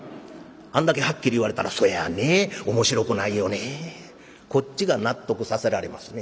あんだけはっきり言われたら「そやね面白くないよねえ」。こっちが納得させられますね。